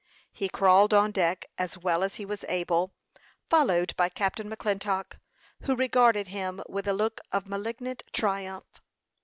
He crawled on deck as well as he was able, followed by Captain McClintock, who regarded him with a look of malignant triumph.